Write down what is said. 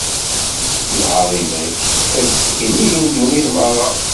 Lɛaḍima-k ad d-tekk nnig n ddunit merra.